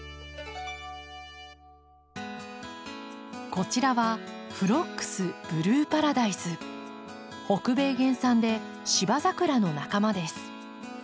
こちらは北米原産でシバザクラの仲間です。